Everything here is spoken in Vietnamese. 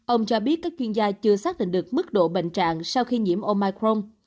ông cho biết các chuyên gia chưa xác định được mức độ bệnh trạng sau khi nhiễm omicron